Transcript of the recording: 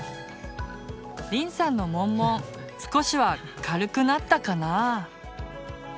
りんさんのモンモン少しは軽くなったかな。